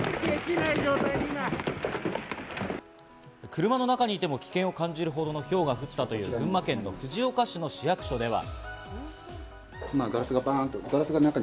車の中にいても危険を感じるほどのひょうが降ったという群馬県の藤岡市の市役所では。